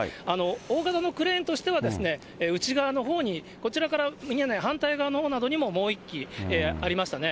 大型のクレーンとしては内側のほうに、こちらから見えない反対側のほうなどにも、もう１機ありましたね。